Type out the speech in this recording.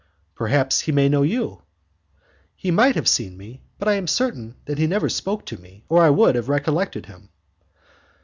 "Perhaps he may know you?" "He might have seen me, but I am certain that he never spoke to me, or I would have recollected him."